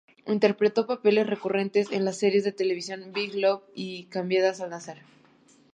Interpretó papeles recurrentes en las series de televisión Big Love y Cambiadas al nacer.